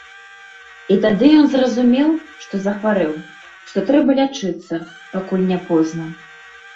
І тады ён зразумеў, што захварэў, што трэба лячыцца, пакуль не позна.